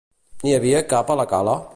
N'hi havia cap a la cala?